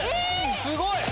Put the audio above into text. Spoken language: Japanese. すごい！